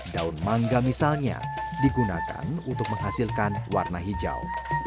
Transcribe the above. daun mangga misalnya digunakan untuk menghasilkan warna hijau